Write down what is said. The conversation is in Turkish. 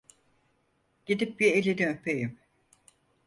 Gidip bir elini öpeyim…